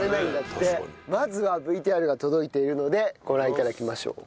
まずはＶＴＲが届いているのでご覧頂きましょう。